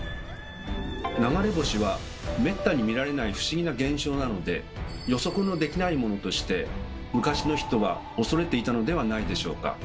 流れ星はめったに見られない不思議な現象なので予測のできないものとして昔の人は恐れていたのではないでしょうか。